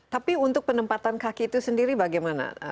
tapi untuk penempatan kaki itu sendiri bagaimana